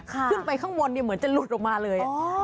ขึ้นไปข้างบนเหมือนจะหลุดออกมาเลย